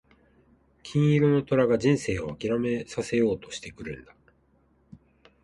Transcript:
金色の虎が人生を諦めさせようとしてくるんだ。